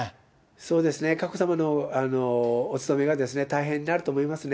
そうですね、佳子さまのお勤めが大変になると思いますね。